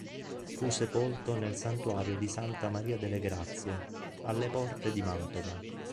Fu sepolto nel santuario di Santa Maria delle Grazie, alle porte di Mantova.